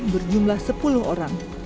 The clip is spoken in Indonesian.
berjumlah sepuluh orang